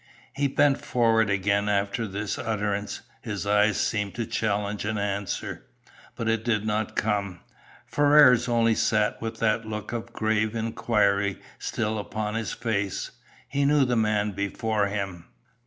He bent forward again after this utterance. His eyes seemed to challenge an answer. But it did not come. Ferrars only sat with that look of grave inquiry still upon his face. He knew the man before him.